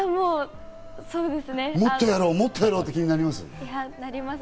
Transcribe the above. もっとやろう、もっとやろうって気になります？